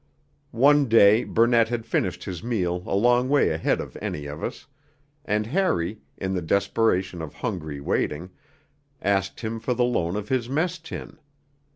One day Burnett had finished his meal a long way ahead of any of us, and Harry, in the desperation of hungry waiting, asked him for the loan of his mess tin.